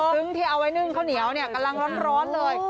ซึ่งที่เอาไว้นึ่งข้าวเหนียวเนี่ยกำลังร้อนเลย